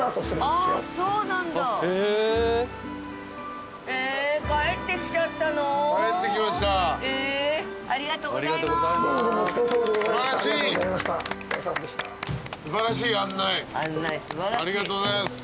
ありがとうございます。